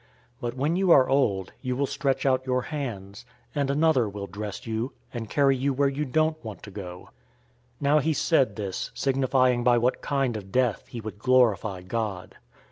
But when you are old, you will stretch out your hands, and another will dress you, and carry you where you don't want to go." 021:019 Now he said this, signifying by what kind of death he would glorify God.